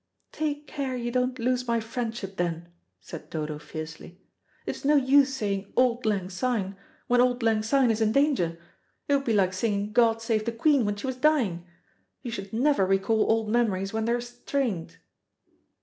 "Take care you don't lose my friendship, then," said Dodo fiercely. "It is no use saying 'auld lang syne' when 'auld lang syne' is in danger. It would be like singing 'God save the Queen' when she was dying. You should never recall old memories when they are strained."